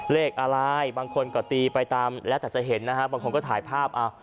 เลขอะไรบางคนก็ตีไปตามแล้วแต่จะเห็นนะฮะบางคนก็ถ่ายภาพเอา